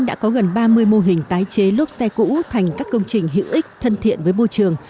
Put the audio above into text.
đã có gần ba mươi mô hình tái chế lốp xe cũ thành các công trình hữu ích thân thiện với môi trường